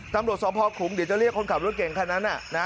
ตำรวจสอบพ่อขุมเดี๋ยวจะเรียกคนขับรถเก่งค่ะนั้นนะ